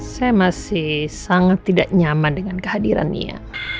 saya masih sangat tidak nyaman dengan kehadiran dia